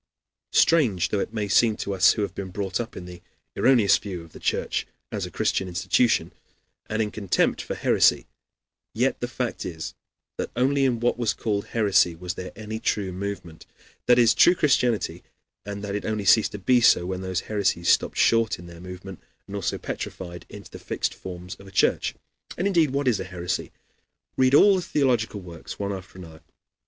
Strange though it may seem to us who have been brought up in the erroneous view of the Church as a Christian institution, and in contempt for heresy, yet the fact is that only in what was called heresy was there any true movement, that is, true Christianity, and that it only ceased to be so when those heresies stopped short in their movement and also petrified into the fixed forms of a church. And, indeed what is a heresy? Read all the theological works one after another.